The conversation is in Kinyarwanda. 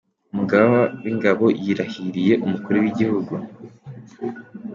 Umugaba w'ingabo yirahiriye umukuru w'igihugu.